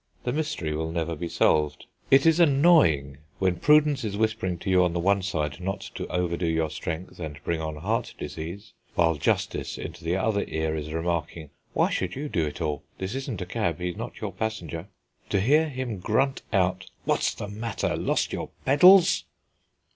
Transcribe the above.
The mystery will never be solved. It is annoying when Prudence is whispering to you on the one side not to overdo your strength and bring on heart disease; while Justice into the other ear is remarking, "Why should you do it all? This isn't a cab. He's not your passenger:" to hear him grunt out: "What's the matter lost your pedals?"